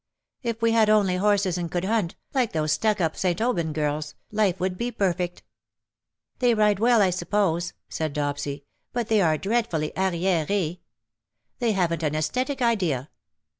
" If we had only horses and could hunt, like those stuck up St. Aubyn girls_, life would be perfect.''' " They ride well, I suppose," said Dopsy_, *' but they are dreadfully arrierees. They haven't an sesthetic idea.